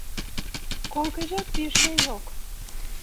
Korkacak bir şey yok.